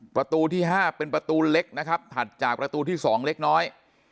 ประตูที่๕เป็นประตูเล็กนะครับถัดจากประตูที่๒เล็กน้อย